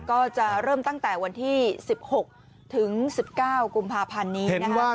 ก็จะเริ่มตั้งแต่วันที่๑๖ถึง๑๙กุมภาพันธ์นี้นะครับ